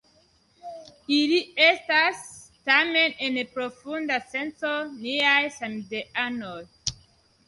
Ili estas, tamen, en profunda senco niaj samideanoj.